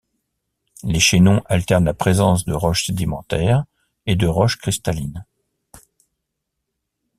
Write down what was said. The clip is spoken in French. Les chaînons alternent la présence de roches sédimentaires et de roches cristallines.